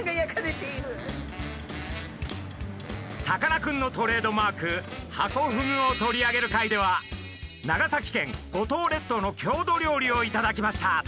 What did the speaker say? さかなクンのトレードマークハコフグを取り上げる回では長崎県五島列島の郷土料理を頂きました。